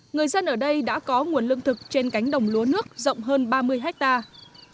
người dân ở đây đã có nguồn lương thực trên cánh đồng lúa nước rộng hơn ba mươi hectare